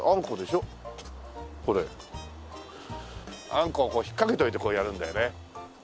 あんこう引っ掛けといてこうやるんだよね。